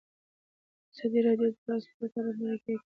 ازادي راډیو د ترانسپورټ اړوند مرکې کړي.